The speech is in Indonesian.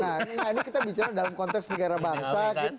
nah ini kita bicara dalam konteks negara bangsa